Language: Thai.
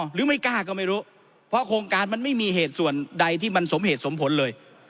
หรือไม่กล้าก็ไม่รู้เพราะโครงการมันไม่มีเหตุส่วนใดที่มันสมเหตุสมผลเลย